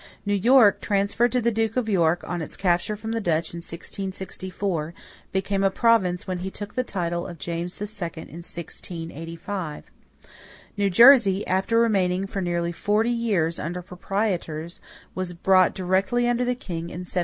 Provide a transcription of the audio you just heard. New York, transferred to the Duke of York on its capture from the Dutch in 1664, became a province when he took the title of James II in 1685. New Jersey, after remaining for nearly forty years under proprietors, was brought directly under the king in 1702.